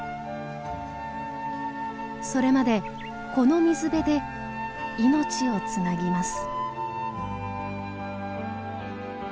それまでこの水辺で命をつなぎます。